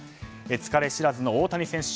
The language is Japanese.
疲れ知らずの大谷選手。